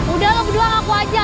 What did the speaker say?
udah lo berdua ngaku aja